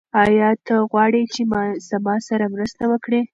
آیا ته غواړې چې زما سره مرسته وکړې؟